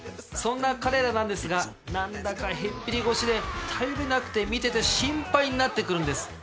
そんな彼らなんですが何だかへっぴり腰で頼りなくて見てて心配になって来るんです。